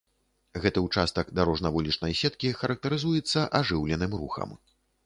Гэты ўчастак дарожна-вулічнай сеткі характарызуецца ажыўленым рухам.